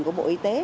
của bộ y tế